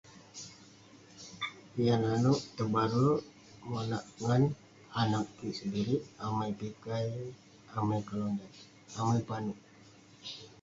Yah nanouk tebare monak ngan anag kik sendirik ; amai pikai, amai kelonyat, amai panouk.